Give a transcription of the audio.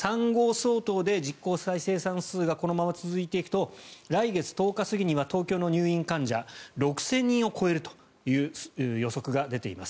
相当で実効再生産数がこのまま続いていくと来月１０日過ぎには東京の入院患者６０００人を超えるという予測が出ています。